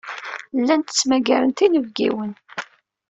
Llan ttmagaren inebgiwen.